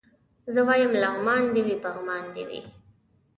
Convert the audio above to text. زه وايم لغمان دي وي پغمان دي وي